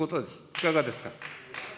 いかがですか。